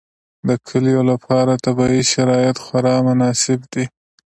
د کلیو لپاره طبیعي شرایط خورا مناسب دي.